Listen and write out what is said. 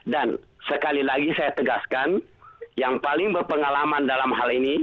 dan sekali lagi saya tegaskan yang paling berpengalaman dalam hal ini